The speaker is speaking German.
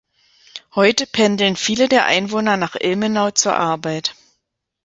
Heute pendeln viele der Einwohner nach Ilmenau zur Arbeit.